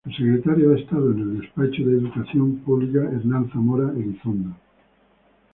El Secretario de Estado en el Despacho de Educación Pública, Hernán Zamora Elizondo.